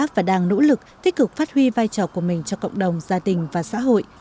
và đang nỗ lực tích cực phát huy vai trò của mình cho cộng đồng gia đình và xã hội